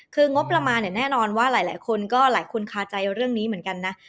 คืองบประมาณเนี่ยแน่นอนว่าหลายคนก็หลายคนคาใจเรื่องนี้เหมือนกันนะ